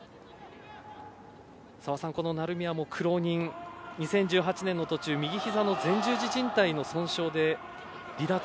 澤さん、この成宮も苦労人２０１８年の途中右ひざの前十字じん帯の損傷で離脱。